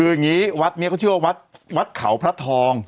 คืออย่างนี้วัดนี้เขาชื่อว่าวัดวัดเขาพระทอง